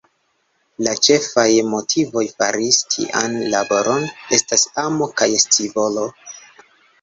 La ĉefaj motivoj fari tian laboron estas amo kaj scivolo.